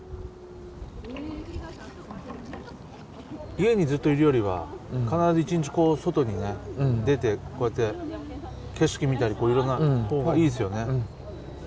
家にずっといるよりは必ず一日こう外にね出てこうやって景色見たりこういろんなほうがいいですよね。